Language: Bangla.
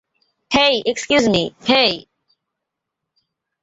হেই, এক্সকিউজ মি, হেই।